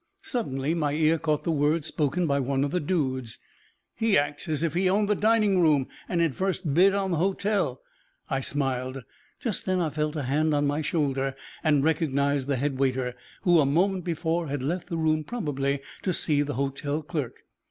Suddenly my ear caught the words spoken by one of the dudes, "He acts as if he owned the dining room, and had first bid on the hotel." I smiled. Just then I felt a hand on my shoulder, and recognized the head waiter, who, a moment before, had left the room probably to see the hotel clerk.